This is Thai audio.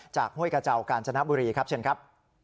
ห้วยกระเจ้ากาญจนบุรีครับเชิญครับ